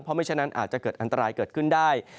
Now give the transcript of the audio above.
เพราะไม่ฉะนั้นอาจจะเกิดอันตรายเกิดขึ้นได้